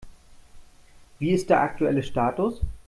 Wie ist der aktuelle Status?